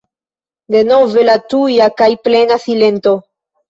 Denove la tuja kaj plena silento!